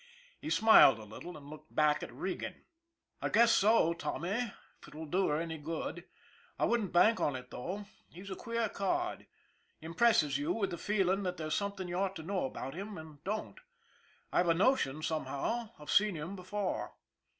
He smiled a little and looked back at Regan. " I guess so, Tommy if it will do her any good. I wouldn't bank on it, though. He's a queer card. Im presses you with the feeling that there's something you ought to know about him and don't. I've a notion, somehow, I've seen him before."